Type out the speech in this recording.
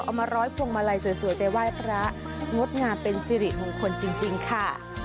เอามาร้อยพวงมาลัยสวยไปไหว้พระงดงามเป็นสิริมงคลจริงค่ะ